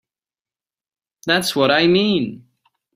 That's what I mean.